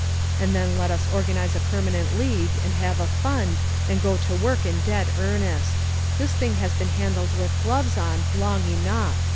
And then let us organize a permanent league, and have a fund, and go to work in dead earnest. This thing has been han dled with gloves on long enough.